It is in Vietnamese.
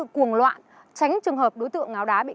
con trúng đi mấy người